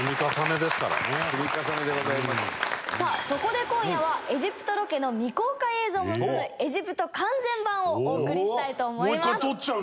さあそこで今夜はエジプトロケの未公開映像を含むエジプト完全版をお送りしたいと思います。